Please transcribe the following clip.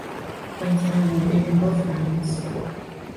Points are award in both rounds.